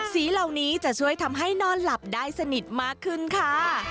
สีเหล่านี้จะช่วยทำให้นอนหลับได้สนิทมากขึ้นค่ะ